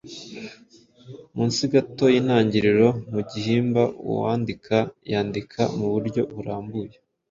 munsi gato y’intangiriro. Mu gihimba uwandika yandika mu buryo burambuye